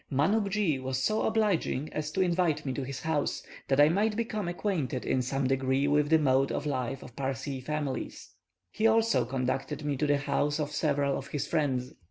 Manuckjee was so obliging as to invite me to his house, that I might become acquainted in some degree with the mode of life of Parsee families; he also conducted me to the houses of several of his friends.